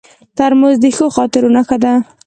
ترموز د ښو خاطرو نښه ده.